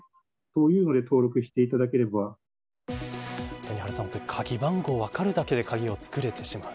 谷原さん、鍵番号分かるだけで鍵が作れてしまう。